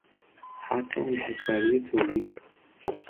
حق انحصاری تولید